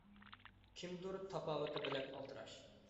كىمدۇر «تاپاۋىتى» بىلەن ئالدىراش.